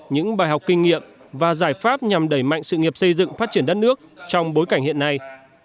những bài học kinh nghiệm và giải pháp nhằm đẩy mạnh sự nghiệp xây dựng phát triển đất nước trong bối cảnh hiện nay